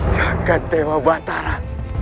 jagad dewa batara